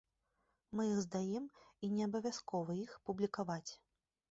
Мы іх здаем, і неабавязкова іх публікаваць.